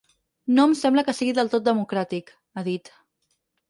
No em sembla que sigui del tot democràtic, ha dit.